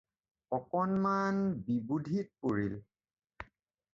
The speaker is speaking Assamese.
অকনমান বিবুদ্ধিত পৰিল।